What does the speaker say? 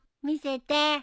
見せて。